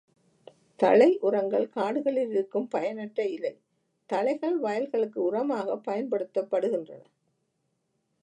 தழை உரங்கள் காடுகளில் இருக்கும் பயனற்ற இலை தழைகள் வயல்களுக்கு உரமாகப் பயன்படுத்தப்படுகின்றன.